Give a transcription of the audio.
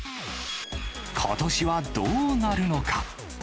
ことしはどうなるのか。